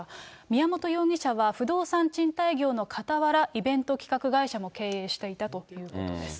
宮本容疑者は、不動産賃貸業のかたわら、イベント企画会社も経営していたということです。